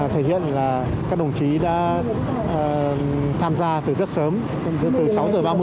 thể hiện là các đồng chí đã tham gia từ rất sớm từ sáu h ba mươi